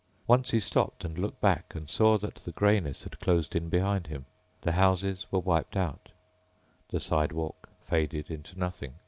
Once he stopped and looked back and saw that the grayness had closed in behind him. The houses were wiped out, the sidewalk faded into nothing.